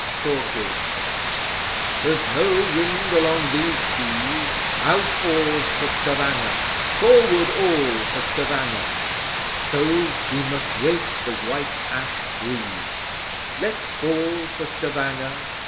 THORKILD'S SONG There's no wind along these seas, Out oars for Stavanger! Forward all for Stavanger! So we must wake the white ash breeze, Let fall for Stavanger!